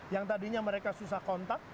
yang tadinya mereka susah kontak